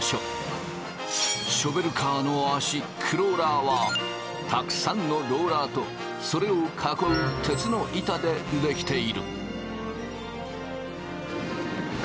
ショベルカーの足クローラーはたくさんのローラーとそれを囲う鉄の板で出来ている。